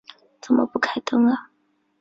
怎么不开灯啊